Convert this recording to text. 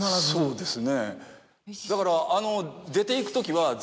そうですね。